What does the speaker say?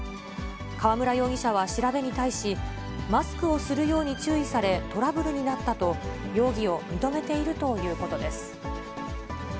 河村容疑者は調べに対し、マスクをするように注意され、トラブルになったと、容疑を認めているということです。